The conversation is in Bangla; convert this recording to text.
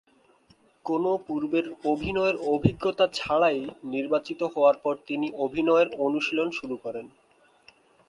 কোনও পূর্বের অভিনয়ের অভিজ্ঞতা ছাড়াই, নির্বাচিত হওয়ার পরই তিনি অভিনয়ের অনুশীলন শুরু করেন।